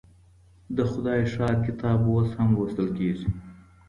د خدای ښار کتاب اوس هم لوستل کيږي.